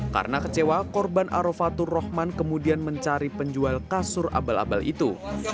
karena kecewa korban arofatur rohman kemudian mencari penjual kasur abal abal itu